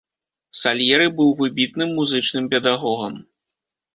Сальеры быў выбітным музычным педагогам.